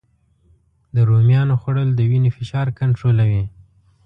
د رومیانو خوړل د وینې فشار کنټرولوي